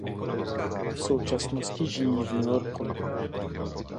V současnosti žijí v New Yorku.